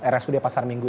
rsud pasar minggu